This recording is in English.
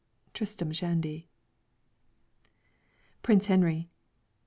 TRISTRAM SHANDY. _Prince Henry.